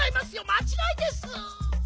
まちがいです。